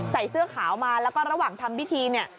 เสื้อขาวมาแล้วก็ระหว่างทำพิธีเนี่ย